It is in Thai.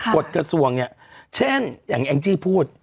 กฎกระทรวงเนี่ยเช่นอย่างแองจี้พูด